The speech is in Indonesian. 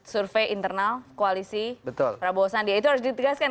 survei internal koalisi prabowo sandia itu harus ditegaskan